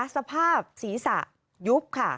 สภาพศีรษะยุบค่ะ